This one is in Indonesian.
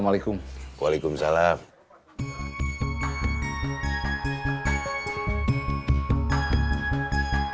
mau balik lagi ke kantor